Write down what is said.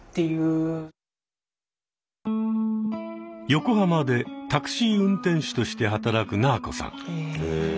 横浜でタクシー運転手として働くなぁこさん。